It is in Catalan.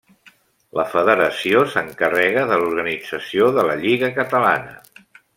La Federació s'encarrega de l'organització de la Lliga Catalana.